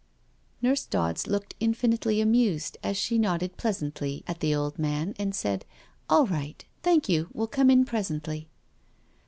Nurse Dodds looked infinitely amused as she nodded pleasantly at the old man and said, " All right, thank you, we'll come in presently."